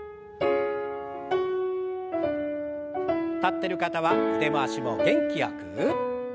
立ってる方は腕回しも元気よく。